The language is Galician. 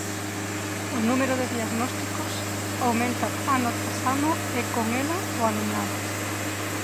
O número de diagnósticos aumenta ano tras ano e con ela o alumnado.